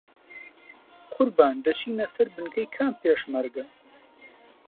قوربان دەچینە سەر بنکەی کام پێشمەرگە؟